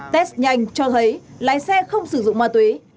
test nhanh cho thấy lái xe không sử dụng ma túy